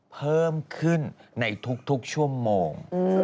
เพิ่มขึ้นในทุกชั่วโมง